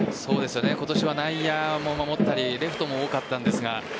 今年は内野も守ったりレフトも多かったんですが。